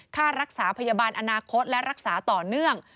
ค่ารักษาพยาบาลอนาคตและรักษาต่อเนื่อง